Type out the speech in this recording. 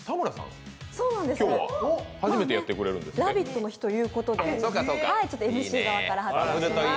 「ラヴィット！」の日ということで、ＭＣ側から発表します。